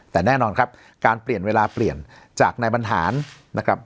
แต่แน่นอนครับการเปลี่ยนเวลาเปลี่ยนจากนายบรรหารนะครับ